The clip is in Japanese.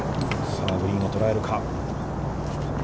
さあグリーンを捉えるか。